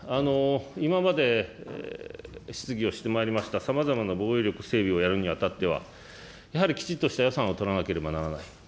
今まで質疑をしてまいりました、さまざまな防衛力整備をやるにあたっては、やはりきちっとした予算を取らなければならない。